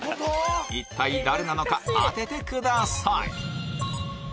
一体誰なのか当ててください